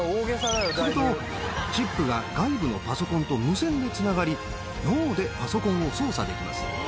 すると、チップが外部のパソコンと無線でつながり、脳でパソコンを操作できます。